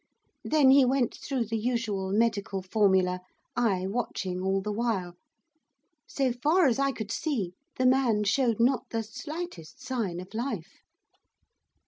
Then he went through the usual medical formula, I watching all the while. So far as I could see the man showed not the slightest sign of life.